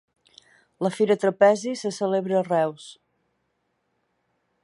La Fira Trapezi se celebra a Reus